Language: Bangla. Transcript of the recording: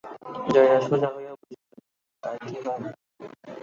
জয়া সোজা হইয়া বসিল, তাই কি হয়?